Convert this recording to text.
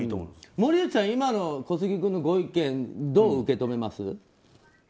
森内さん、今の小杉君のご意見どう受け止めます？